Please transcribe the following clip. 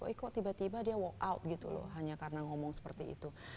oh kok tiba tiba dia walk out gitu loh hanya karena ngomong seperti itu